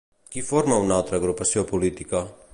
Qui forma una altra agrupació política?